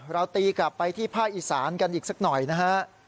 เราตีกลับไปที่ภาคอีสานกันอีกสักหน่อยนะฮะ